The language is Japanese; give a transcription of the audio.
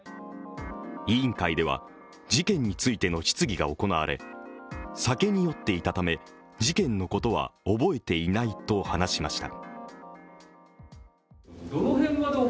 委員会では事件についての質疑が行われ、酒に酔っていたため事件のことは覚えていないと話しました。